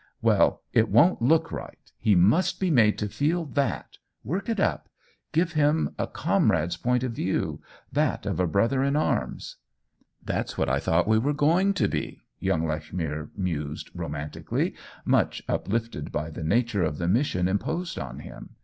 " Well — it won't look right. He must be made to feel that — work it up. Give him a comrade's point of view — that of a brother in arms." " That's what I thought we were going to be !" young Lechmere mused, romantically, much uplifted by the nature of the mission imposed on him.